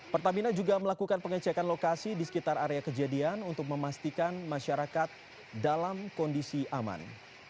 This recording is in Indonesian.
pertamina juga melakukan pengecekan lokasi di sekitar area kejadian untuk memastikan masyarakat dalam kondisi aman